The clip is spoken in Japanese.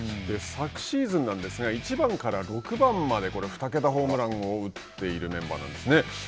昨シーズンなんですが、１番から６番まで、これ、二桁ホームランを打っているメンバーなんですね。